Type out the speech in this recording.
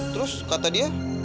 terus kata dia